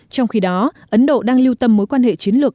trong khi đó ấn độ đang lưu tâm mối quan hệ chiến lược